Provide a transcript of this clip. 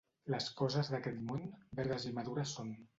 Les coses d'aquest món, verdes i madures són.